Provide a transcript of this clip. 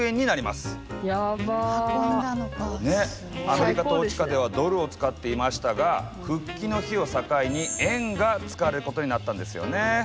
アメリカ統治下ではドルを使っていましたが復帰の日を境に円が使われることになったんですよね。